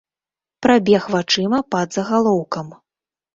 Прабег вачыма пад загалоўкам.